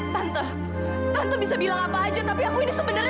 tante tante bisa bilang apa aja tapi aku ini sebenarnya